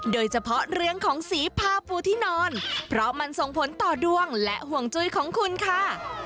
โดยเฉพาะเรื่องของสีผ้าปูที่นอนเพราะมันส่งผลต่อดวงและห่วงจุ้ยของคุณค่ะ